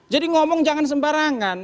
jadi ngomong jangan sembarangan